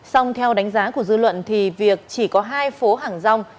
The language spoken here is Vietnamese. xong theo đánh giá của dư luận thì việc chỉ có hai phố hàng rong